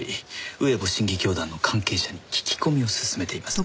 ウエボ神義教団の関係者に聞き込みを進めています。